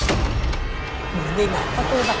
เหมือนกันอ่ะ